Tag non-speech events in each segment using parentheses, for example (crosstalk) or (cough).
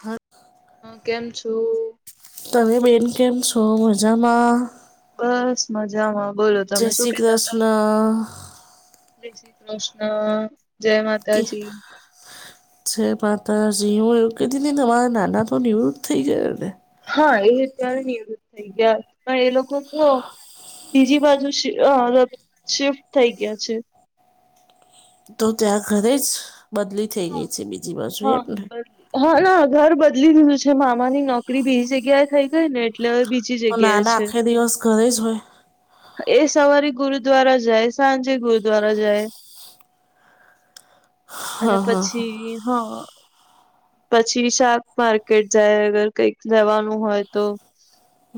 હા. હ કેમ છો. તમે બેન કેમ છો મજામાં. બસ મજામાં બોલો. જય તમે શું શ્રી કેતા હતા? કૃષ્ણ. જય શ્રી કૃષ્ણ જય માત કિં જય માતાજી હું એવું કહેતી હતી કે તમારા નાના તો નિવૃત્ત થઈ ગયા ને હા એ અત્યારે નિવૃત્ત થઈ ગયા પણ એ લોકો તો. બીજી બાજુ શિફ અ શિફ્ટ થઈ ગયા છે. તો ત્યાં ઘરેજ બદલી થઈ ગઈ છે બીજી બાજુ એમને હ ના ઘર બદલી દીધું છે. જે મામાની નોકરી બીજી જગ્યાએ થઈ ગઈ ને એટલે હવે બીજી જગ્યાએ છે. કઈ છો. એ સવારે ગુરુદ્વારા જાય સાંજે ગુરુદ્વારા જાય. હ અને પછી હ પછી શાક માર્કેટ જાય અગર કઈક જવાનું હોય તો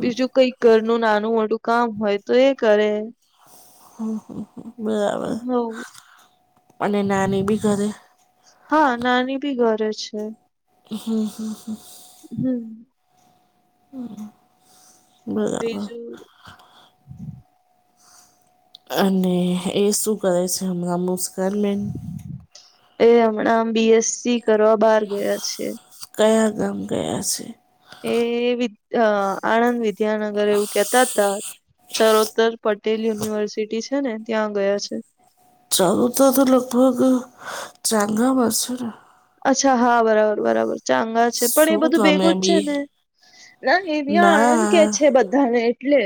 બીજું કઈ ઘરનું નાનું મોટું કામ હોય તો એ કરે હમ હમ હમ બરાબર હો અને નાની બી ઘરે હ નાની ભી ઘરે છે. હમ હમ હમ હમ્મ હમ બરાબર બીજું અને એ શું કરે છે હમણાં મુસ્કાન મેમ એ હમણાં આમ બી. એસ. સી કરવા બહાર ગયા છે. કયા ગામ ગયા સે એ વિ અ આણંદ વિદ્યાનગર એવું કેતા તા ચરોતર પટેલ યુનિવર્સિટી છે ને ત્યાં ગયા છે. ચરોતર તો લગભગ ચંગા મા છ ને અચ્છા હા, બરાબર બરાબર ચાંગા છે પણ એ શું બધું તમે ભેગું જ છે બી ને ના એની આણંદ કે ના છે બધ અરે એટલે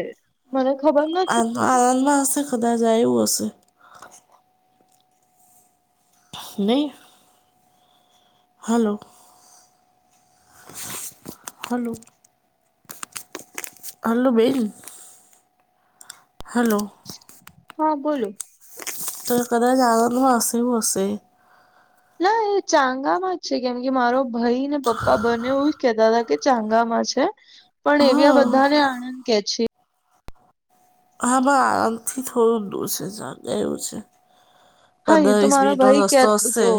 મને ખબર ન આણંદમાં હશે કદાચ આયવો હસે નહી. હલો હલો અલો બેન હલો હ બોલો તો કદાચ લાવવાનું આસનું અસે ના એ ચાંગામાં જ છે કેમ કે મારો ભાઈ ને પપ્પા બને એવું જ કેહતા હતા કે ચાંગામાં છે. પણ એવ્યા હા બધાને આણંદ કે છે. હામાં આમથી થોડું દૂર છે જ ગયું છે. હા એ પંદર તો વીસ મારો મિનિટનો ભાઈ રસ્તતો કેતો આવશે હતો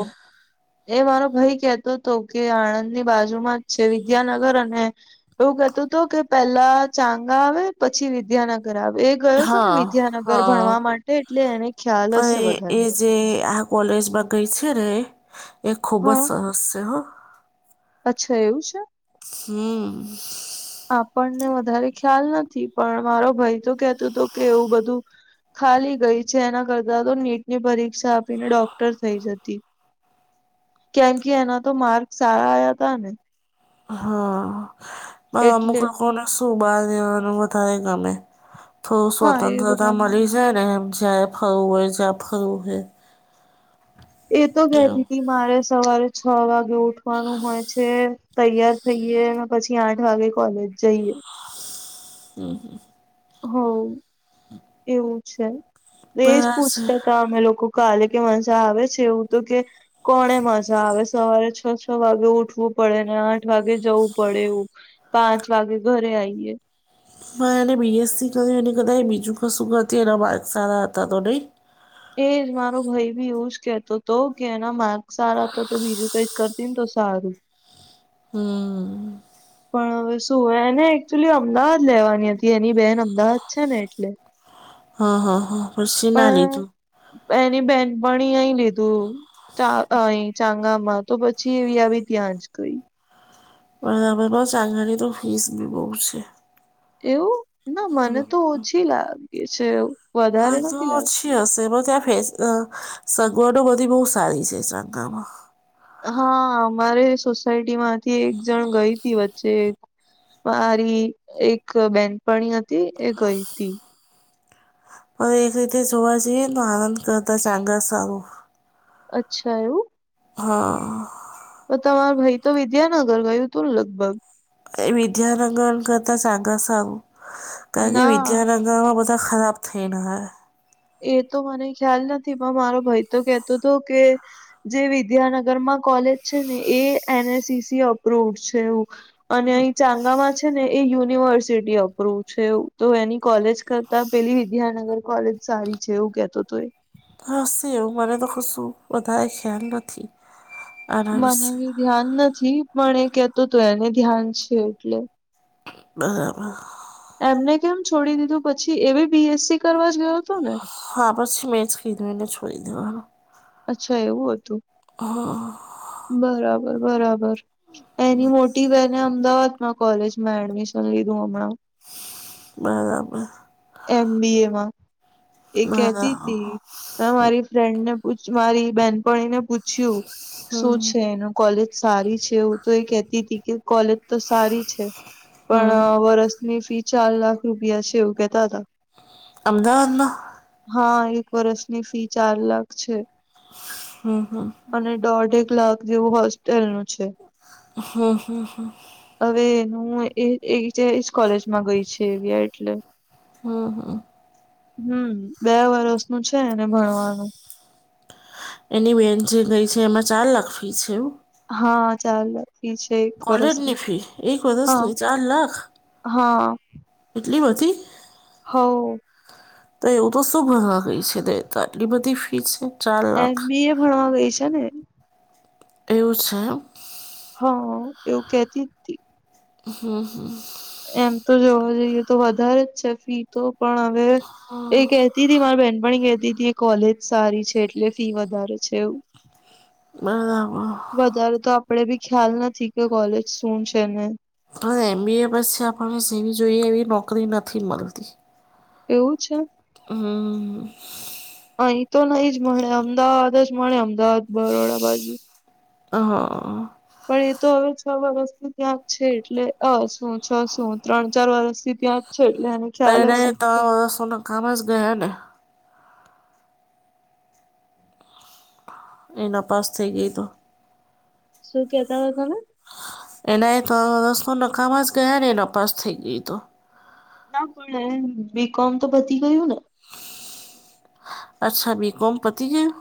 એ મારો ભાઈ કેતોતો કે આણંદની બાજુમાં જ છે વિદ્યાનગર અને એવું કેતોતો કે પેલા ચાંગા આવે પછી વિદ્યાન બરાબ એ ગયો હતો ને હા વિદ્યાનગર હા ભણવા માટે એટલે એને ખ્યાલ હશે પણ વધારે એ જે આ કોલેજમાં ગઈ છે ને એ ખૂબ જ હા સરસ છે હ અચ્છા, એવું છે. હમ આપણને વધારે ખ્યાલ નથી પણ મારો ભાઈ તો કેતોતો કે એવું બધું ખાલી ગઈ છે એના કરતા તો નીટની પરીક્ષા આપીને ડોક્ટર થઈ જતી. કેમ કે એના તો માર્ક સારા આયાતા ને હા, પણ અમુક એટલે લોકોને શું બાર જવાનું વધારે ગમે. થોડું હા એ સ્વતંત્રતા બધાનું મળી જાય ને એમ જ્યાં એ ફરવું હોય જ્યાં ફરવું હોય. એ તો એવું કેતીતી મારે સવારે છ વાગે ઉઠવાનું હોય છે. તૈયાર થઈએ અને પછી આઠ વાગે કોલેજ જઈએ. હમ હમ હવ, એવું છે એજ બસ પૂછતા હતા અમે લોકો. કાલે કે મજા આવે છે એવું તો કે. કોને મજા આવે સવારે છ છ વાગે ઉઠવું પડે ને આઠ વાગે જવું પડે એવું. પાંચ વાગે ઘરે આઈએ. મારે બી એસ સી કર્યું અને કદાચ બીજું કશું કરતી એના માર્ક સારા હતા તો નઈ. એજ મારો ભાઈ બી એવું જ કેતો હતો કે એના માર્ક સારા હતા તો બીજું કઈક કરતે ને તો સારું. હમ. પણ હવે શું એને એકલી અમદાવાદ લેવાની હતી એની બેન અમદાવાદ છે ને એટલે. હા હા હા, શું ના પણ લીધું? એની બેનપણી એય લીધુ. તા અય ચાંગામાં તો પછી એવી આવી ત્યાં જ ગઈ. પણ (unintelligible) તો ફીસ બી બો છે. એવું ના મને તો ઓછી લાગે છે વધારે આટલો નથી જ. લાગતી હશે બધા ફેસ અ સગવડો બધી બો સારી છે સાંગામાં. હા, અમારે સોસાયટી માંથી એક જણ ગઈતી વચ્ચે. મારી એક બેનપણી હતી એ ગઈ તી. પણ એક રીતે જોવા જઈએ તો આનંદ કરતા ચાંગા સારું. અચ્છા એવું. હા. તો તમારો ભાઈ તો વિદ્યાનગર ગયું તું ને લગભગ. એ વિદ્યાાનગર કરતા સાગા સારું કારણ કે ના વિદ્યાન નાના બધા ખરાબ થઈલા હે. એ તો મને ખ્યાલ નથી પણ મારો ભાઈ તો કેતોતો કે. જે વિદ્યાનગરમાં કોલેજ છે ને એ N S C C approved છે એવું. અને અહીં ચાંગામાં છે ને એ યુનિવર્સિટી અપ્રુવ છે એવું તો એની કોલેજ કર તા પેલી વિદ્યાનગર કોલેજ સારી છે એવું કેતોતો એ. હશે એવું મને તો કશું વધારે ખ્યાલ નથી. આના મને વિશે બી ધ્યાન નથી પણ એ કેતોતો એને જ્ઞાન છે એટલે. બરાબર. એમને કેમ છોડી દીધું પછી એબી બીએસસી કરવા જ ગયો હતો ને હા, પછી મેં જ કીધું એને છોડી દેવાનું. અચ્છા એવું હતું હા બરાબર બરાબર એની મોટી બહેને અમદાવાદ માં કોલેજમાં એડમિશન લીધું હમણાં બરાબર એમ બી એ માં એ કેતી હતી બરાબર મે મારી ફ્રેન્ડ ને પૂછ મારી બેહેનપણી ને પૂછ્યું શું હમ છે એનું કોલેજ સારી છે એવું તો એ કેતી તી કે કોલેજ તો સારી છે હમ પણ વરસની ફી ચાર લાખ રૂપિયા છે એવું કેતા હતા અમદાવાદમાં હા એક વર્ષની ફી ચાર લાખ છે હમ હમ અને દોઢે એક લાખ જેવું હોસ્ટેલ નું છે. હમ હમ હા. હવે નું એજ એજ એજ કોલેજમાં ગઈ છે એવી એટલે. હા હા. હમ બે વરષ નું છે એને ભણવાનું એની વેન જે ગઈ છે એમાં ચાર લાખ ફી છે એવું હા ચાલે ફી છે એક કોલેજ વરસની ની ફી એક હા વર્ષની ચાર લાખ હા એટલી બધી હવ તો એવું તો શું ભળવા ગ‌ઇ છે તો આટલી બધી ફી છે. ચાર લાખ એમી બીએ ભણવા ગઈ છે ને. એવું છે એમ. હા એવું કેતી તી. હમ હમ. એમ તો જોવા જઈએ તો વધારે જ છે ફી તો પણ હવે એ કે. તી મારી બેહેનપાણી કેતી તી કોલેજ સારી છે એટલે ફી વધારે છે એવું. બરાબર. વધારે તો આપડે બી ખ્યાલ નથી કે કોલેજ શું છે ને. પણ એમ બી એ પછી આપણે સીવી જોઈએ એવી નોકરી નથી મળતી. એવું છે. હું હું હું. અઈ તો નઈ જ મળે અમદાવાદ જ મળે અમદાવાદ બરોડા બાજુ. અહ પણ એ તો હવે છ વરષથી ત્યાંક છે એટલે અ શું છ શું ત્રણ ચાર વરષથી ત્યાં. જ છે એટલે એને ખ્યાલ પેણે હશે તો સો નાકામ જ ગયા ને. એના પાસ થઈ ગઈ તો. શું કેતા તા તમે. એના એ તો સુ નકામાં જ ગયા ને, એ નપાસ થઈ ગઈ તો. ના પણ એ બી કોમ તો પતી ગયું ને. અચ્છા બી કોમ પતી ગયું.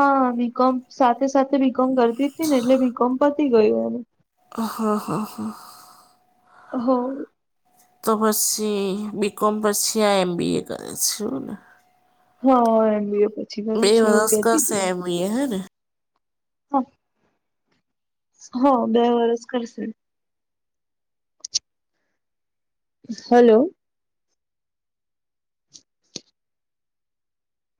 હા બીકોમ સાથે સાથે બીકોમ કરતી હતી ને એટલે બીકોમ પતી ગયું એનું. હા હા હા. હો. તો પછી બી કોમ પછી આ એમબી એ કરે છે એવું ને. હા એમબીએ પતી. બે વરસ કરશે એમ બીએ હેને. હા હા બે વરસ કરશે. હલો.